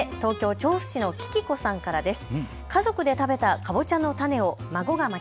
続いて東京調布市のキキ子さんからです。